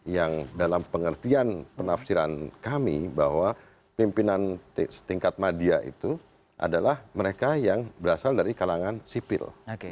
yang dalam pengertian penafsiran kami bahwa pimpinan setingkat media itu adalah mereka yang berasal dari kalangan sipil